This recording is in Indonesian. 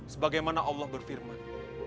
sebagaimana allah berfirman